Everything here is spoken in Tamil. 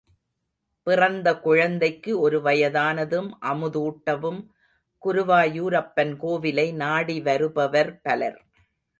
பிறந்த குழந்தைக்கு ஒரு வயதானதும், அமுதூட்டவும், குருவாயூரப்பன் கோவிலை நாடிவருபவர் பலர்.